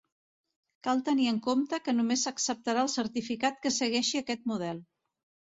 Cal tenir en compte que només s'acceptarà el certificat que segueixi aquest model.